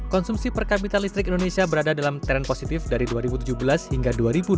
konsumsi per kapita listrik indonesia berada dalam tren positif dari dua ribu tujuh belas hingga dua ribu dua puluh